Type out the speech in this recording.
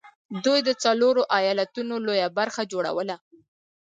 دوی د څلورو ايالتونو لويه برخه جوړوله